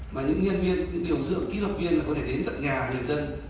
mà những nhân viên những điều dưỡng kỹ thuật viên là có thể đến tất cả nhà người dân